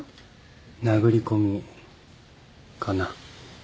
殴り込みかな。